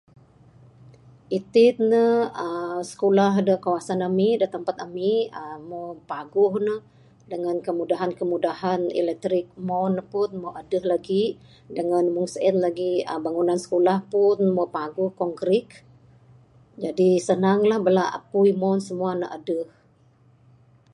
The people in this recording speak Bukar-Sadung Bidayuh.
Itin ne skulah da kawasan ami da tampat ami uhh moh paguh neh dangan kemudahan kemudahan electric umon ne pun meh adeh lagi dangan meng sien lagi bangunan bangunan skulah pun meh paguh concrete Jadi senang lah bala apui umon ne semua adeh.